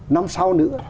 năm sau nữa